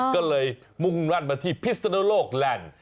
ก็เลยมุ่งมั่นมาที่พิศนุโลกแลนด์